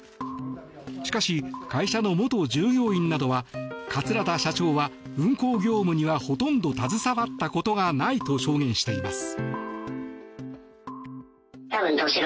しかし、会社の元従業員などは桂田社長は運航業務にはほとんど携わったことがないと証言しています。